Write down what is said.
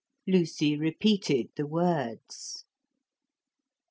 Lucy repeated the words.